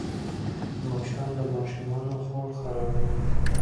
مچان د ماشومانو خوړ خرابوي